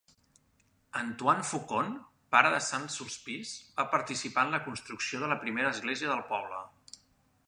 Antoine Faucon, pare de Saint-Sulpice, va participar en la construcció de la primera església del poble.